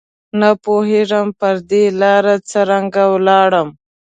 نه پوهېږم پر دې لاره څرنګه ولاړم